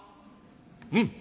「うん。